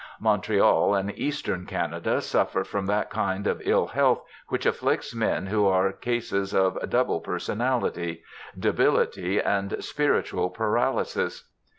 Montreal and Eastern Canada suffer from that kind of ill health which afflicts men who are cases of 'double personality' debility and spiritual paralysis.